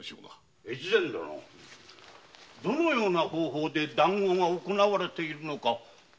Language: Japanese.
どのような方法で談合が行われているのかまだつかめんのか？